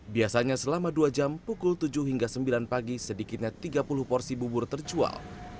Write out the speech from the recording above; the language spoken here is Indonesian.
biasanya selama dua jam pukul tujuh hingga sembilan pagi sedikitnya tiga puluh porsi bubur terjual